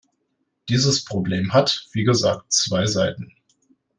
Dieses Problem hat, wie gesagt, zwei Seiten.